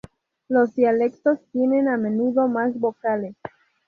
Los dialectos tienen a menudo más vocales.